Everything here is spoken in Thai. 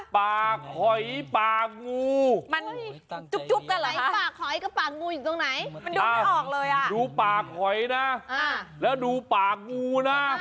ปากหอยปากงู